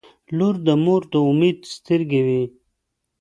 • لور د مور د امید سترګې وي.